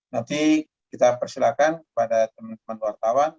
nanti kita persilahkan kepada teman teman wartawan